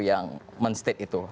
yang men state itu